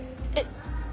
えっ。